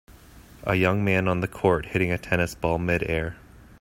A young man on the court hitting a tennis ball midair.